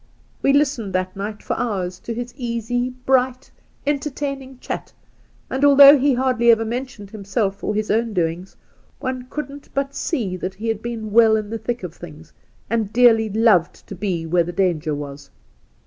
We listened that night for hours to his easy, bright, entertaining chat, and although he hardly ever mentioned him self or his own doings, one couldn't but see that he had been well in the thick of things, and dearly loved to be where danger was.